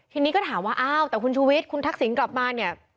ทีนี้ก็ถามว่าอ้าวแต่คุณชูวิทย์คุณทักษิณกลับมาเนี่ย